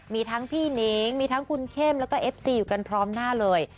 มีทั้งพี่นิ้งมีทั้งคุณเข้มแล้วก็เอฟซีอยู่กันพร้อมหน้าเลย